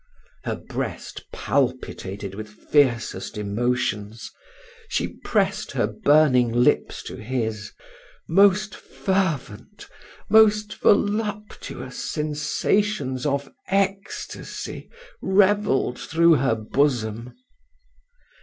Her breast palpitated with fiercest emotions; she pressed her burning lips to his; most fervent, most voluptuous sensations of ecstasy revelled through her bosom.